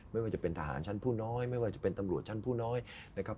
ไม่ว่าจะเป็นทหารชั้นผู้น้อยไม่ว่าจะเป็นตำรวจชั้นผู้น้อยนะครับ